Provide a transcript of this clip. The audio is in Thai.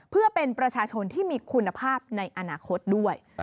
เพื่อเป็นประชาชนที่มีคุณภาพในอนาคตด้วย